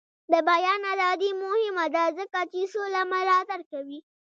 د بیان ازادي مهمه ده ځکه چې سوله ملاتړ کوي.